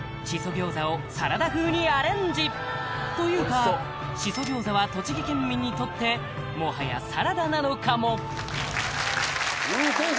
餃子をサラダ風にアレンジというかシソ餃子は栃木県民にとってもはやサラダなのかもうん！